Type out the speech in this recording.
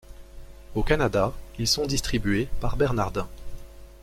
Au Canada, ils sont distribués par Bernardin.